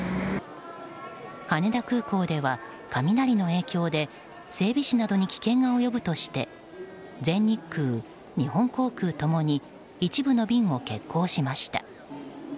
羽田空港では雷の影響で整備士などに危険が及ぶとして全日空、日本航空ともに一部の便を欠航しました。